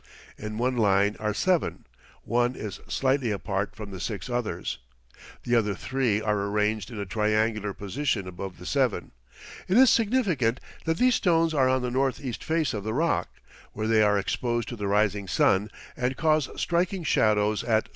In one line are seven; one is slightly apart from the six others. The other three are arranged in a triangular position above the seven. It is significant that these stones are on the northeast face of the rock, where they are exposed to the rising sun and cause striking shadows at sunrise.